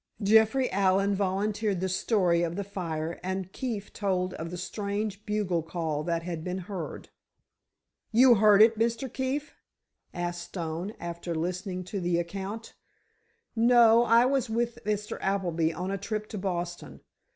Jeffrey Allen volunteered the story of the fire, and Keefe told of the strange bugle call that had been heard. "You heard it, Mr. Keefe?" asked Stone, after listening to the account. "No; I was with Mr. Appleby on a trip to Boston.